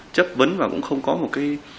chấp vấn và cũng không có một cái